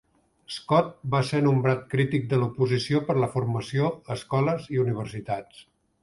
Scott va ser nombrat crític de l'oposició per la formació, escoles i universitats.